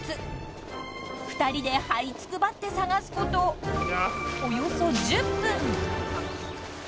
［２人ではいつくばって探すことおよそ１０分］